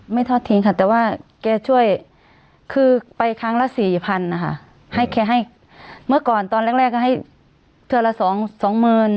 ไม่ทอดทิ้งค่ะแต่ว่าแกช่วยคือไปครั้งละสี่พันธุ์นะคะเมื่อก่อนตอนแรกก็ให้เธอละสองสองเมือน